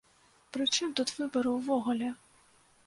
Пры чым тут выбары ўвогуле?!